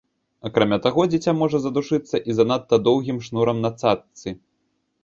Акрамя таго, дзіця можа задушыцца і занадта доўгім шнурам на цаццы.